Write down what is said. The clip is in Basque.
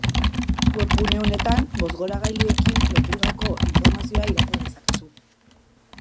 Webgune honetan bozgorailuekin lotutatutako informazioa irakur dezakezu.